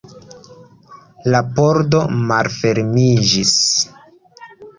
La pordo malfermiĝis.